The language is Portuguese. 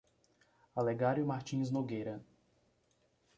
Alegario Martins Nogueira